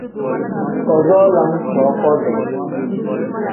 Kazoo lam cooo kazoo.